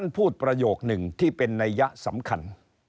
พูดประโยคหนึ่งที่เป็นนัยยะสำคัญ